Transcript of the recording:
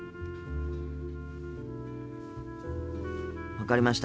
分かりました。